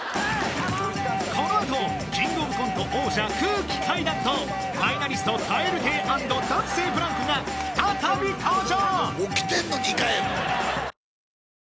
このあとキングオブコント王者・空気階段とファイナリスト・蛙亭＆男性ブランコが再び登場